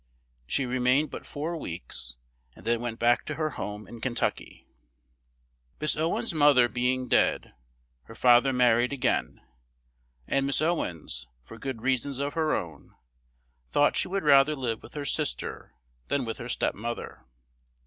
She remained but four weeks, and then went back to her home in Kentucky. Miss Owens's mother being dead, her father married again; and Miss Owens, for good reasons of her own, thought she would rather live with her sister than with her stepmother.